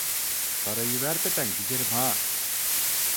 Parayı vermeden giderim ha!